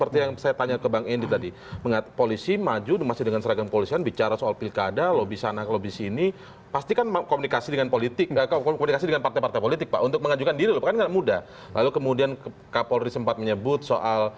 tetaplah bersama kami di prime news